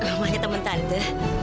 rumahnya teman tante